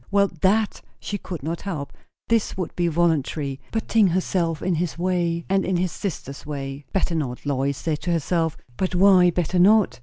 Well, that she could not help; this would be voluntary; put ting herself in his way, and in his sister's way. Better not, Lois said to herself. But why, better not?